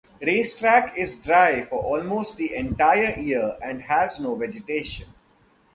Racetrack is dry for almost the entire year and has no vegetation.